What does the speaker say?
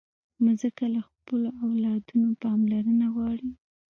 مځکه له خپلو اولادونو پاملرنه غواړي.